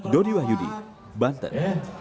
dori wahyudi banten